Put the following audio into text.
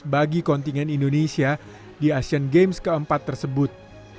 bagi kontingen indonesia di asian games ke empat tersebut